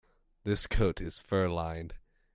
This coat is fur-lined.